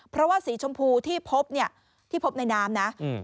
เพราะว่าสีชมพูที่พบเนี่ยที่พบในน้ำนะ